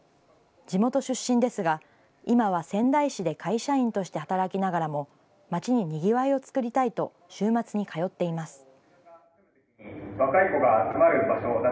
地元出身ですが、今は仙台市で会社員として働きながらも、町ににぎわいを作りたいと、週末に通っています。